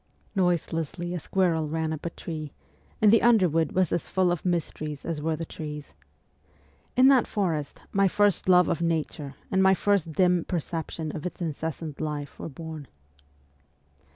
Noiselessly a squirrel ran up a tree, and the underwood was as full of mysteries as were the trees. In that forest my first love of Nature and my first dim perception of its incessant life were born.